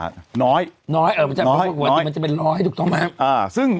หรอน้อย